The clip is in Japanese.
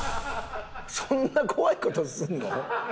そんな怖い事すんの？